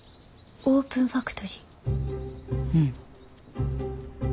オープンファクトリー。